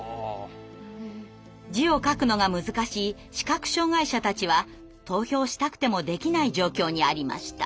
字を書くのが難しい視覚障害者たちは投票したくてもできない状況にありました。